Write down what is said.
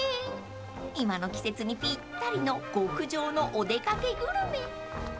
［今の季節にぴったりの極上のお出掛けグルメ］